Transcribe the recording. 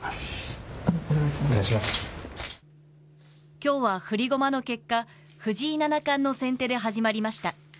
今日は振り駒の結果藤井七冠の先手で始まりました。